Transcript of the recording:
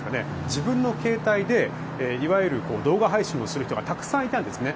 自分の携帯でいわゆる動画配信をする人がたくさんいたんですね。